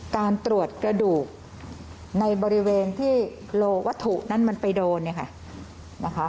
การตรวจกระดูกในบริเวณที่โลกวัตถุนั้นมันไปโดน